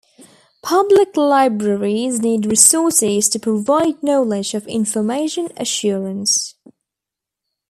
Public libraries need resources to provide knowledge of information assurance.